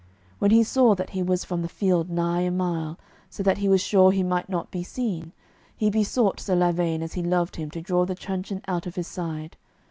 When he saw that he was from the field nigh a mile, so that he was sure he might not be seen, he besought Sir Lavaine as he loved him to draw the truncheon out of his side.